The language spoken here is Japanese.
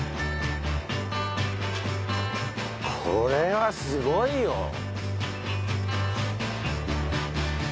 これはすごいよ。